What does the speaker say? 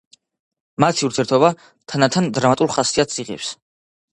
მათი ურთიერთობა თანდათან დრამატულ ხასიათს იღებს.